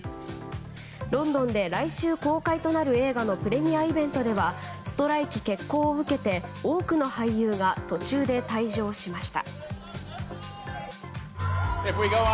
ロンドンで来週公開となる映画のプレミアイベントではストライキ決行を受けて多くの俳優が途中で退場しました。